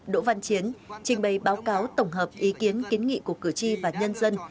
đỗ văn chiến trình bày báo cáo tổng hợp ý kiến kiến nghị của cử tri và nhân dân